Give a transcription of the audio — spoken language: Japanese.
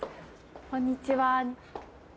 こんにちは。